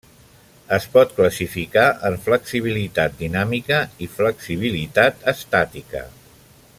Es pot classificar en flexibilitat dinàmica i flexibilitat estàtica.